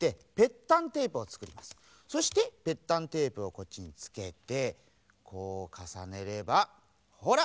そしてぺったんテープをこっちにつけてこうかさねればほら！